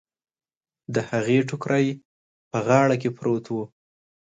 د هغې ټکری په غاړه کې پروت و.